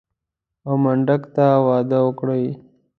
او منډک ته واده وکړي.